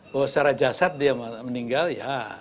bahwa secara jasad dia meninggal ya